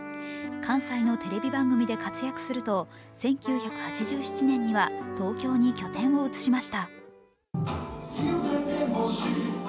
関西のテレビ番組で活躍すると１９８７年には東京に拠点を移しました。